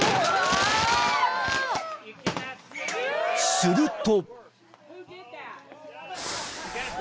［すると］